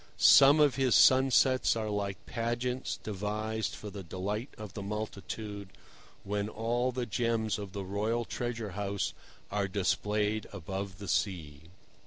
Some of his sunsets are like pageants devised for the delight of the multitude, when all the gems of the royal treasure house are displayed above the sea.